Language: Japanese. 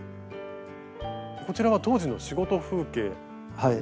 こちらは当時の仕事風景。